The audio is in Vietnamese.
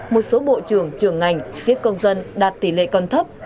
một số bộ trưởng trường ngành tiếp công dân đạt tỷ lệ còn thấp